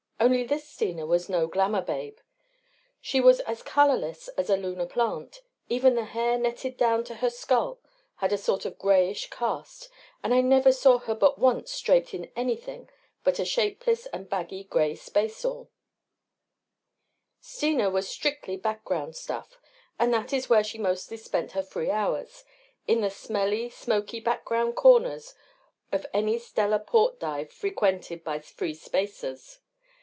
Only this Steena was no glamour babe. She was as colorless as a Lunar plant even the hair netted down to her skull had a sort of grayish cast and I never saw her but once draped in anything but a shapeless and baggy gray space all. Steena was strictly background stuff and that is where she mostly spent her free hours in the smelly smoky background corners of any stellar port dive frequented by free spacers.